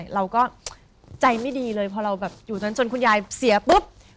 เราก็ใจไม่ดีเลยพอเราแบบอยู่นั้นจนคุณยายเสียปุ๊บ